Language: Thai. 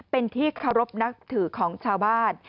เป็นที่เคารพนับถือของชาวบ้าน